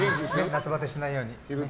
夏バテしないように。